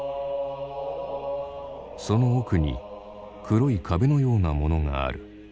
その奥に黒い壁のようなものがある。